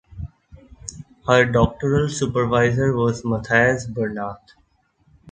Her doctoral supervisor was Mathias Bernath.